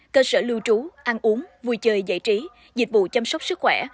cơ sở lưu trú ăn uống vui chơi giải trí dịch vụ chăm sóc sức khỏe